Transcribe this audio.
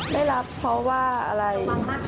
ได้รับเพราะว่าอะไร